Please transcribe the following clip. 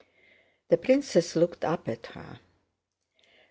The princess looked up at her.